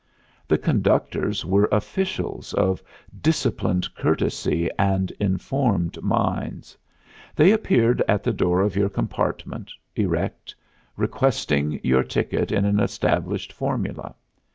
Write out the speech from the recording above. The conductors were officials of disciplined courtesy and informed minds. They appeared at the door of your compartment, erect, requesting your ticket in an established formula.